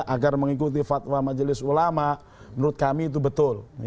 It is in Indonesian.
agar mengikuti fatwa majelis ulama menurut kami itu betul